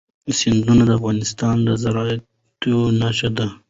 سیندونه د افغانستان د زرغونتیا نښه ده.